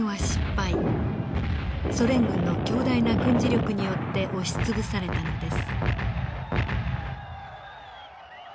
ソ連軍の強大な軍事力によって押し潰されたのです。